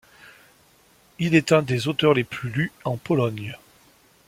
Il est un des auteurs les plus lus en Pologne.